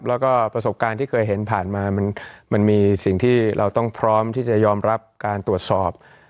แล้วก็ประสบการณ์ที่เคยเห็นผ่านมามันมีสิ่งที่เราต้องพร้อมที่จะยอมรับการตรวจสอบ